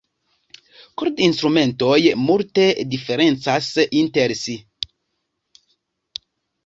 Kord-instrumentoj multe diferencas inter si.